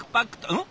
うん？